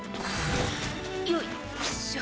よいしょ。